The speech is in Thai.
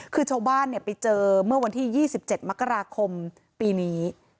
คือชาวบ้านไปเจอเมื่อวันที่๒๗มกราคมปีนี้